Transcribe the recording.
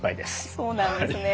そうなんですね。